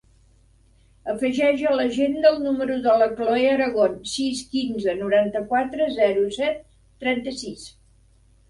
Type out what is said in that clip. Afegeix a l'agenda el número de la Cloè Aragon: sis, quinze, noranta-quatre, zero, set, trenta-sis.